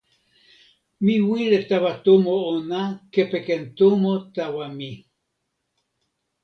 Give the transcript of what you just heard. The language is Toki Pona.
mi wile tawa tomo ona kepeken tomo tawa mi.